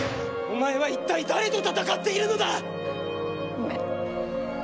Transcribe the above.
お前は一体誰と戦っているのだ⁉ごめん。